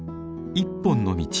「一本の道」。